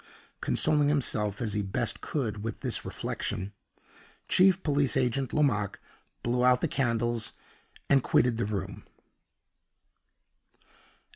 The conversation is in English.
Consoling himself as he best could with this reflection, Chief Police Agent Lomaque blew out the candles, and quitted the room.